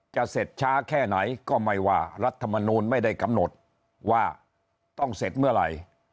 จะเสร็จช้าแค่ไหนก็ไม่ว่ารัฐมนูลไม่ได้กำหนดว่าต้องเสร็จเมื่อไหร่